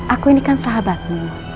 aku ini kan sahabatmu